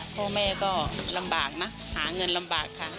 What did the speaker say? พ่อแม่ก็ลำบากนะหาเงินลำบากค่ะ